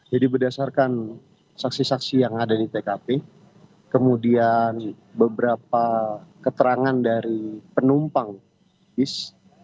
jadi berdasarkan saksi saksi yang ada di tkp kemudian beberapa keterangan dari penumpang bis